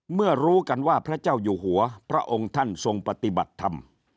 รู้กันว่าพระเจ้าอยู่หัวพระองค์ท่านทรงปฏิบัติธรรม